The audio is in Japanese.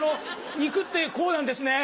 肉ってこうなんですね。